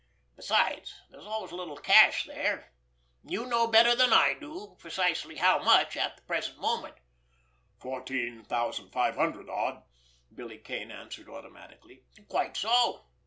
Besides, there's always a little cash there—you know better than I do precisely how much at the present moment." "Fourteen thousand five hundred odd," Billy Kane answered automatically. "Quite so!"